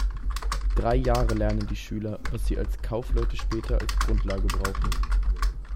Drei Jahre lernen die Schüler, was sie als Kaufleute später als Grundlage brauchen.